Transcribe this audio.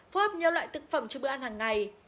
phối hợp nhiều loại thực phẩm cho bữa ăn hàng ngày